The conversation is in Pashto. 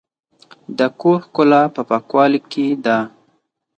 د کور ښکلا په پاکوالي کې ده.